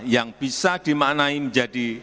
yang bisa dimaknai menjadi